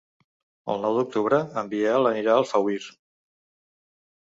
El nou d'octubre en Biel anirà a Alfauir.